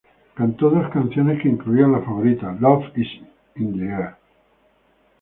Cantó dos canciones que incluían la favorita "Love is in the Air".